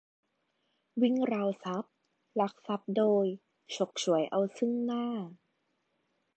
- วิ่งราวทรัพย์ ลักทรัพย์โดย ฉกฉวยเอาซึ่งหน้า